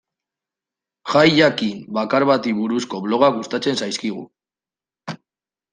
Gai jakin bakar bati buruzko blogak gustatzen zaizkigu.